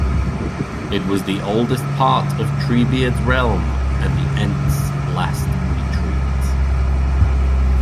It was the oldest part of Treebeard's realm, and the Ents' last retreat.